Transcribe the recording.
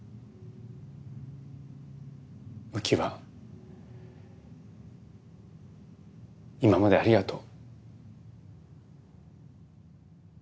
うきわ今までありがとう。